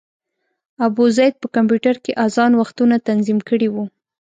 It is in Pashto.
ابوزید په کمپیوټر کې اذان وختونه تنظیم کړي وو.